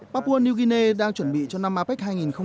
papua new guinea đang chuẩn bị cho năm apec hai nghìn một mươi tám